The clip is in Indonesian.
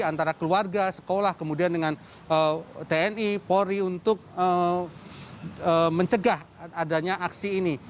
antara keluarga sekolah kemudian dengan tni polri untuk mencegah adanya aksi ini